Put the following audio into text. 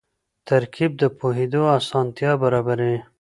ترکیب د پوهېدو اسانتیا برابروي.